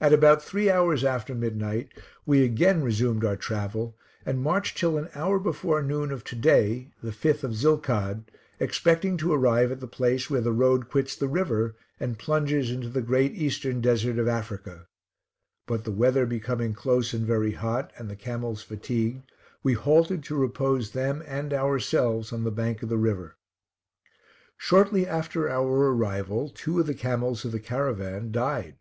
At about three hours after midnight we again resumed our travel, and marched till an hour before noon of to day, the 5th of Zilkade expecting to arrive at the place where the road quits the river, and plunges into the great eastern desert of Africa; but the weather becoming close and very hot, and the camels fatigued, we halted to repose them and ourselves on the bank of the river. Shortly after our arrival two of the camels of the caravan died.